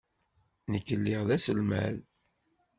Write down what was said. Nekk lliɣ d aselmad.